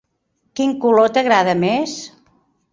Quin color t'agrada més?